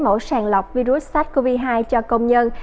mẫu sàng lọc virus sars cov hai cho công nhân